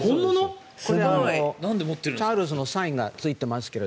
チャールズのサインがついていますが。